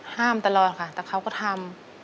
ตลอดค่ะแต่เขาก็ทำ